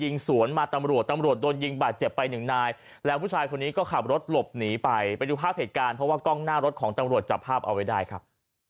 ยิงสวนมาตำรวจตำรวจโดนยิงบาดเจ็บไปหนึ่งนายแล้วผู้ชายคนนี้ก็ขับรถหลบหนีไปไปดูภาพเหตุการณ์เพราะว่ากล้องหน้ารถของตำรวจจับภาพเอาไว้ได้ครับ